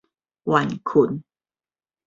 緩困